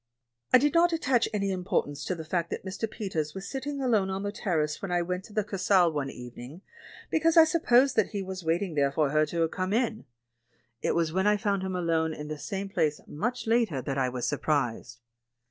I did not attach any importance to the fact that Mr. Peters was sitting alone on the terrace when I went to the Kursaal one evening, because I supposed that he was waiting there for her to 42 THE MAN WHO UNDERSTOOD WOMEN come in; it was when I found him alone in the same place much later that I was surprised.